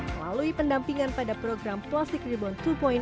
melalui pendampingan pada program plastic rebound dua